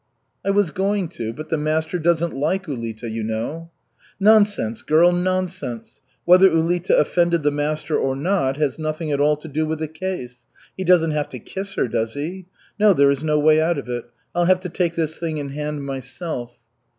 "I was going to, but the master doesn't like Ulita, you know." "Nonsense, girl, nonsense! Whether Ulita offended the master or not has nothing at all to do with the case. He doesn't have to kiss her, does he? No, there is no way out of it. I'll have to take this thing in hand myself."